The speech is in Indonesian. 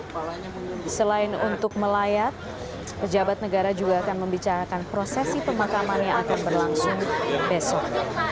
beréta untuk melayat pejabat negara juga akan membicarakan prosesi pemakamannya akan berlangsung besok